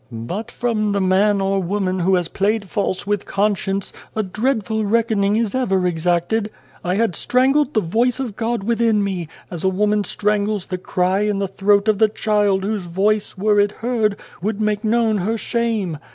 "But from the man or woman who has played false with conscience, a dreadful reckoning is ever exacted. I had strangled the voice of God within me, as a woman strangles the cry in the throat of the child whose voice, were it heard, would make known her shame.